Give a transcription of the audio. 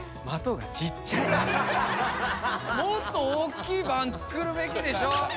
もっと大きいばんつくるべきでしょ！